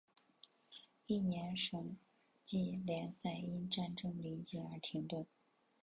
翌年省际联赛因战争临近而停顿。